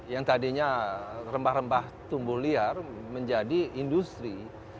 yang tadinya rempah rempah tumbuh liar menjadi industri